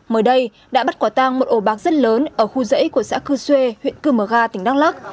mới đây đã bắt quả tăng một ổ bạc rất lớn ở khu dãy của xã cư xê huyện cư mở ga tỉnh đăng lắc